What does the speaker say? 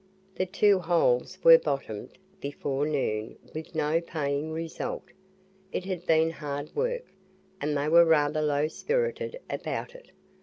The two holes were "bottomed" before noon with no paying result. It had been hard work, and they were rather low spirited about it.